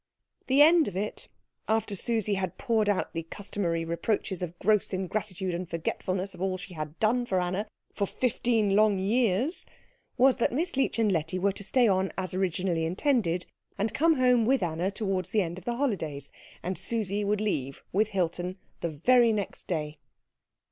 The end of it, after Susie had poured out the customary reproaches of gross ingratitude and forgetfulness of all she had done for Anna for fifteen long years, was that Miss Leech and Letty were to stay on as originally intended, and come home with Anna towards the end of the holidays, and Susie would leave with Hilton the very next day.